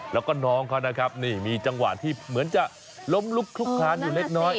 แล้วก็น้องเขานะครับนี่มีจังหวะที่เหมือนจะล้มลุกคลุกคลานอยู่เล็กน้อย